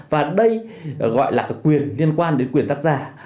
và đây gọi là quyền liên quan đến quyền tác giả